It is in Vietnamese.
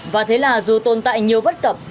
và thế là dù tồn tại nhiều bất cập